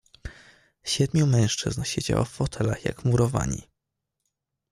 "Siedmiu mężczyzn siedziało w fotelach, jak wmurowani."